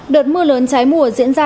đợt mưa lớn trái mùa diễn ra